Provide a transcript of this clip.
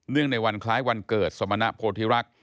ในวันคล้ายวันเกิดสมณโพธิรักษ์